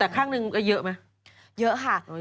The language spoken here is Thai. แต่ข้างหนึ่งก็เยอะไหมเยอะค่ะ